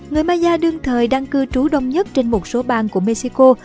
người maya đương thời đang cư trú đông nhất trên một số bang của mexico